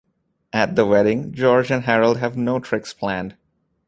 At the wedding, George and Harold have no tricks planned.